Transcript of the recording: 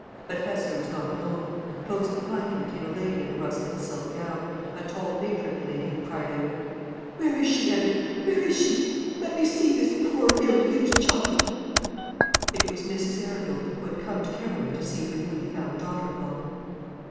But Hester was not alone; close behind her came a lady in a rustling silk gown, a tall matronly lady, who cried out, "Where is she, Edward? Where is she? Let me see this poor ill used child." It was Mrs. Arundel, who had come to Kemberling to see her newly found daughter in law.